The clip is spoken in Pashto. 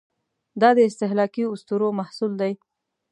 دا د استهلاکي اسطورو محصول دی.